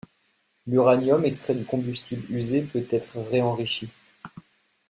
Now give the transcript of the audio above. L’uranium extrait du combustible usé peut être ré-enrichi.